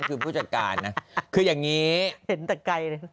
คือผู้จัดการนะคืออย่างนี้เห็นแต่ไกลเลย